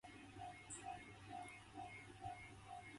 The Germans were lining the Escaut Canal some away.